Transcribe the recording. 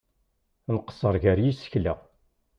Nqeṣṣer gar yisekla.